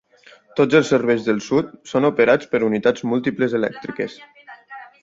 Tots els serveis del sud són operats per unitats múltiples elèctriques.